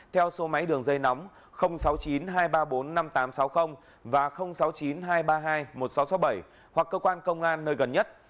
theo số máy đường dây nóng sáu mươi chín hai trăm ba mươi bốn năm nghìn tám trăm sáu mươi và sáu mươi chín hai trăm ba mươi hai một nghìn sáu trăm sáu mươi bảy hoặc cơ quan công an nơi gần nhất